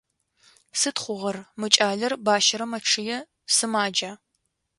Сыд хъугъэр, мы кӏалэр бащэрэ мэчъые, сымаджа?